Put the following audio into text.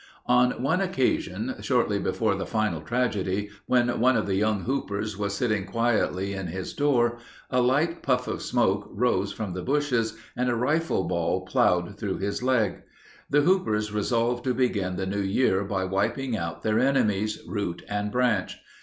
On one occasion shortly before the final tragedy, when one of the young Hoopers was sitting quietly in his door, a light puff of smoke rose from the bushes and a rifle ball plowed through his leg. The Hoopers resolved to begin the new year by wiping out their enemies, root and branch.